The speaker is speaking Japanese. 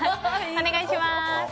お願いします。